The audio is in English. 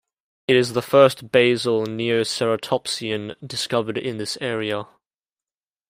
It is the first basal neoceratopsian discovered in this area.